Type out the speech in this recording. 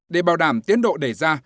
để bảo đảm tiến độ đề ra